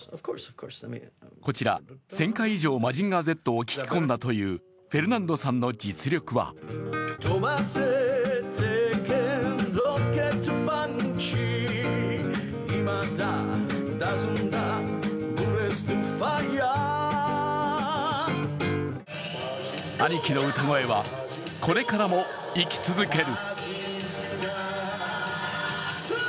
こちら１０００回以上「マジンガーＺ」を聞き込んだというフェルナンドさんの実力はアニキの歌声はこれからも生き続ける。